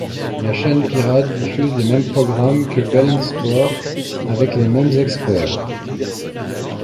La chaîne pirate diffuse les mêmes programmes que BeIn Sports avec les mêmes experts.